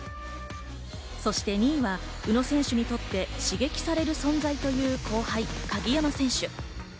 そして２位は宇野選手にとって刺激される存在という後輩・鍵山選手。